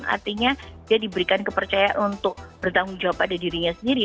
artinya dia diberikan kepercayaan untuk bertanggung jawab pada dirinya sendiri